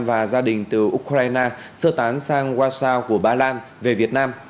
và gia đình từ ukraine sơ tán sang wasa của ba lan về việt nam